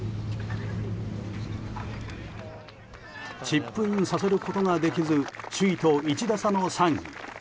チップインさせることができず首位と１打差の３位。